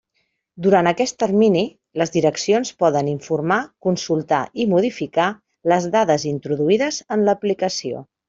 Durant aquest termini, les direccions poden informar, consultar i modificar les dades introduïdes en l'aplicació.